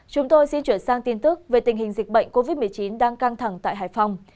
chúng tôi xin chuyển sang tin tức về tình hình dịch bệnh covid một mươi chín đang căng thẳng tại hải phòng